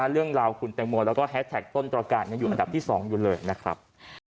เรื่องราวคุณแตงโมแล้วก็แฮสแท็กต้นตรการยังอยู่อันดับที่๒อยู่เลยนะครับ